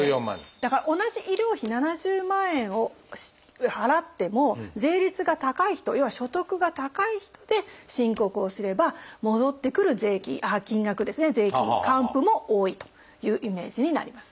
だから同じ医療費７０万円を払っても税率が高い人要は所得が高い人で申告をすれば戻ってくる金額ですね還付も多いというイメージになります。